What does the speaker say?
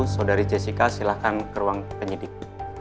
saudari jessica silahkan ke ruang penyidik